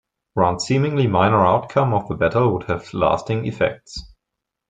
One seemingly minor outcome of the battle would have lasting effects.